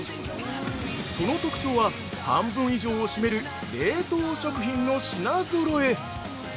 その特徴は半分以上を占める冷凍食品の品ぞろえ。